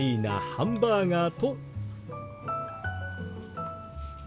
「ハンバーガー」。